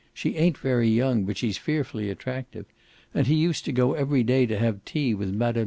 "She ain't very young, but she's fearfully attractive. And he used to go every day to have tea with Mme.